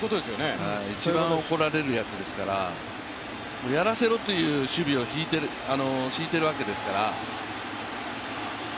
一番怒られるやつですから、やらせろという守備を敷いてるわけですから。